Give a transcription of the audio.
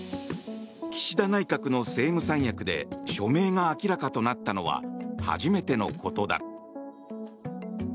岸田内閣の政務三役で署名が明らかとなったのは初めてのことだ。